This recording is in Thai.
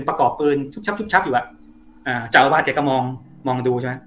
ประกอบปืนชุบชับชุบชับอยู่อ่ะอ่าเจ้าอาวาสแกก็มองมองดูใช่ไหม